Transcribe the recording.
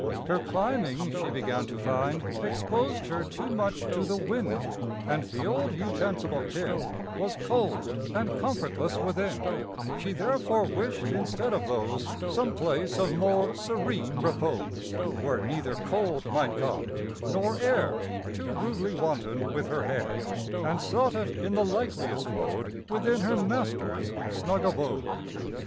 Her climbing, she began to find, Exposed her too much to the wind, And the old utensil of tin Was cold and comfortless within: She therefore wish'd instead of those Some place of more serene repose, Where neither cold might come, nor air Too rudely wanton with her hair, And sought it in the likeliest mode Within her master's snug abode.